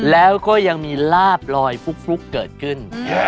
แล้วก็ยังมีลาบลอยฟลุกเกิดขึ้น